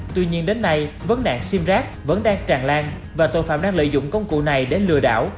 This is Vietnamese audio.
tuy nhiên đến nay vấn nạn sim rác vẫn đang tràn lan và tội phạm đang lợi dụng công cụ này để lừa đảo